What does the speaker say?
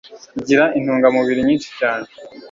Igira intungamubiri nyinshi cyane